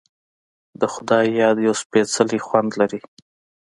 د خدای یاد یو سپیڅلی خوند لري.